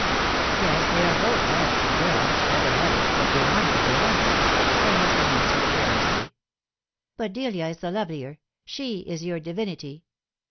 "Yes, they are both handsome girls, feather headed, but remarkably handsome," her husband answered carelessly. " But Delia is the lovelier. She is your divinity."